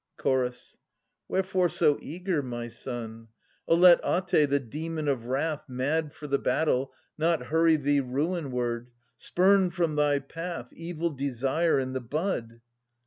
Chorus. (Str. i) Wherefore so eager, my son ? Oh let At6, the demon of wrath Mad for the battle, not hurry thee ruinward ! Spurn from thy path Evil desire in the bud